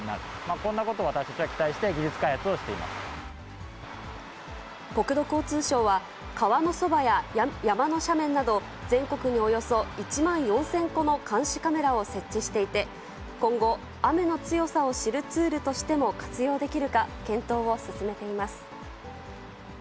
こんなことを私たちは期待して、国土交通省は、川のそばや山の斜面など、全国におよそ１万４０００個の監視カメラを設置していて、今後、雨の強さを知るツールとしても活用できるか検討を進めています。